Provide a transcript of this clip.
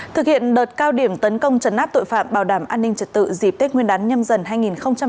thực hiện đợt cao điểm tấn công trấn áp tội phạm bảo đảm an ninh trật tự dịp tết nguyên đán nhâm dần hai nghìn hai mươi bốn